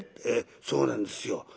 「ええそうなんですよ」。